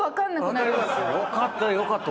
よかったよかった。